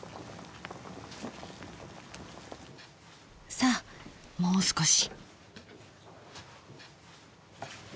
さあもう少し。